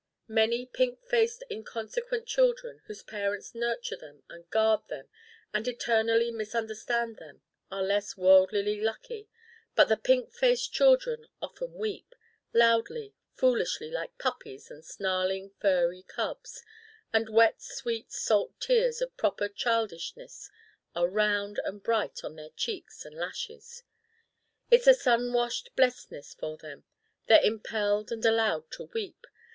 Many pink faced inconsequent children whose parents nurture them and guard them and eternally misunderstand them are less worldlily lucky. But the pink faced children often weep loudly, foolishly like puppies and snarling furry cubs and wet sweet salt tears of proper childishness are round and bright on their cheeks and lashes. It's a sun washed blestness for them: they're impelled and allowed to weep.